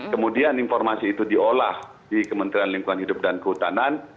kemudian informasi itu diolah di kementerian lingkungan hidup dan kehutanan